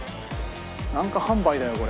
なんか販売だよこれ。